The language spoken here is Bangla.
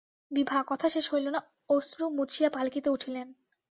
বিভা– কথা শেষ হইল না, অশ্রু মুছিয়া পালকিতে উঠিলেন।